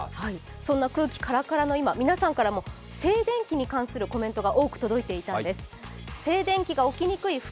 そんな空気カラカラの今、皆さんからも静電気に関するコメントが多く届いていたんです。